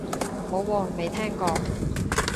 冇喎，未聽過